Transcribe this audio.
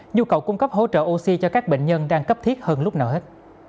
nhu cầu cung cấp hỗ trợ oxy cho các bệnh nhân đang cấp thiết hơn lúc nào hết